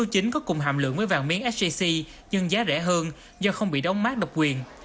nhẫn trơn có cùng hạm lượng với vàng miếng sgc nhưng giá rẻ hơn do không bị đóng mát độc quyền